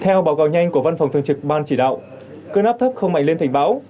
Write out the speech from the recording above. theo báo cáo nhanh của văn phòng thường trực ban chỉ đạo cơn áp thấp không mạnh lên thành bão